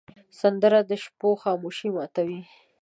سندره د شپو خاموشي ماتوې